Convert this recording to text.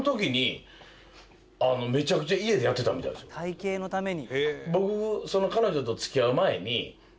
「体形のために？」